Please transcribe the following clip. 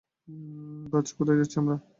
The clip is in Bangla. বায, কোথায় যাচ্ছি আমরা?